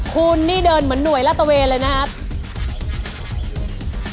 คุณนี่เดินเหมือนหน่วยลาตะเวนเลยนะครับ